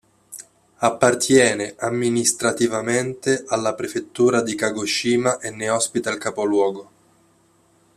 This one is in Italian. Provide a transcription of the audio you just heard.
Appartiene amministrativamente alla prefettura di Kagoshima e ne ospita il capoluogo.